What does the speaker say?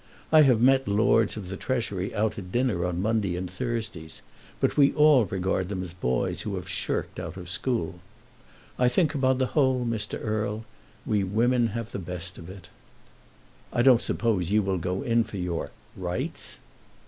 I have met Lords of the Treasury out at dinner on Mondays and Thursdays, but we all regard them as boys who have shirked out of school. I think upon the whole, Mr. Erle, we women have the best of it." "I don't suppose you will go in for your 'rights'."